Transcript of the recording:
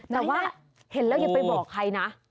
แต่ว่าเห็นแล้วอย่าไปบอกใครนะ